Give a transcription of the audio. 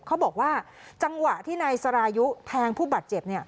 เขาบอกว่าจังหวะที่นายสรายุแทงผู้บาดเจ็บ